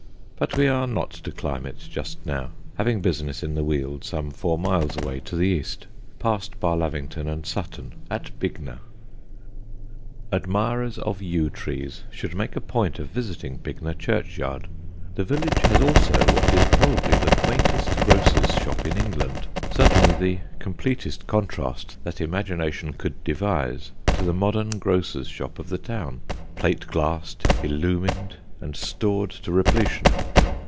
But we are not to climb it just now, having business in the weald some four miles away to the east, past Barlavington and Sutton, at Bignor. [Sidenote: THE OLDEST GROCER'S SHOP] Admirers of yew trees should make a point of visiting Bignor churchyard. The village has also what is probably the quaintest grocer's shop in England; certainly the completest contrast that imagination could devise to the modern grocer's shop of the town, plate glassed, illumined and stored to repletion.